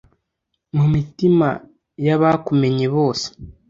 mu mitima y'abakumenye bose